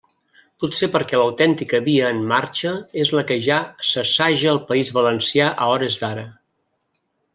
Potser perquè l'autèntica via en marxa és la que ja s'assaja al País Valencià a hores d'ara.